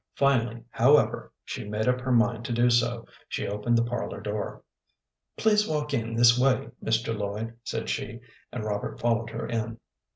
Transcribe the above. Finally, however, she made up her mind to do so. She opened the parlor door. "Please walk in this way, Mr. Lloyd," said she, and Robert followed her in.